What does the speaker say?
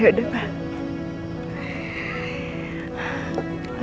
aku tutup salam ya